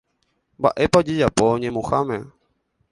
Mba'épa ojejapo ñemuháme.